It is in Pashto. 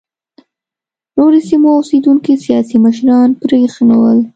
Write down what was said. نورو سیمو اوسېدونکو سیاسي مشران پرېنښودل.